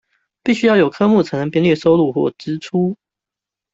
必須要有科目才能編列收入或支出